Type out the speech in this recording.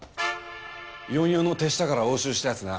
４４の手下から押収したやつな。